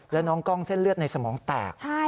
แล้วน้องกล้องเส้นเลือดในสมองแตก